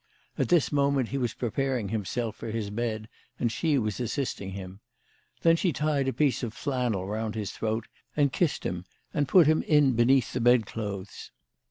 At this moment he was preparing himself for his bed, and she was assisting him. Then she tied a piece of flannel round his throat, and kissed him, and put him in beneath the bed clothes.